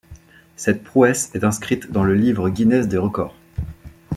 Cette prouesse est inscrite dans le livre Guinness des records.